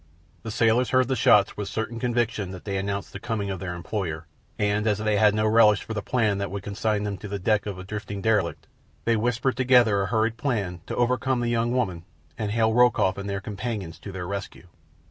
The sailors heard the shots with certain conviction that they announced the coming of their employer, and as they had no relish for the plan that would consign them to the deck of a drifting derelict, they whispered together a hurried plan to overcome the young woman and hail Rokoff and their companions to their rescue.